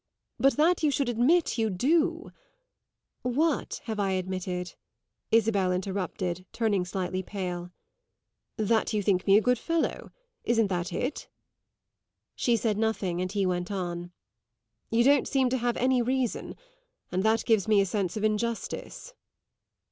But that you should admit you do " "What have I admitted?" Isabel interrupted, turning slightly pale. "That you think me a good fellow; isn't that it?" She said nothing, and he went on: "You don't seem to have any reason, and that gives me a sense of injustice."